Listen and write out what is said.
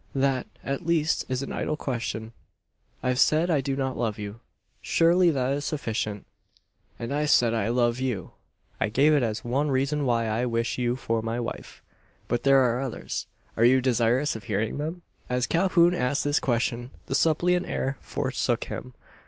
"That, at least, is an idle question. I've said I do not love you. Surely that is sufficient." "And I've said I love you. I gave it as one reason why I wish you for my wife: but there are others. Are you desirous of hearing them?" As Calhoun asked this question the suppliant air forsook him.